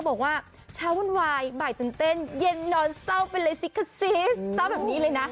บอกว่าเช้าวุ่นวายบ่ายตื่นเต้นเย็นนอนเศร้าไปเลยสิคะซิสเศร้าแบบนี้เลยนะ